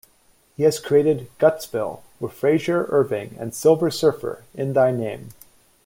He has created "Gutsville" with Frazer Irving and "Silver Surfer: In Thy Name".